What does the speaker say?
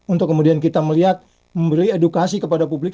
untuk kemudian kita melihat memberi edukasi kepada publik